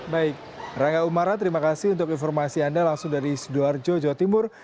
baik rangga umara terima kasih untuk informasi anda langsung dari sidoarjo jawa timur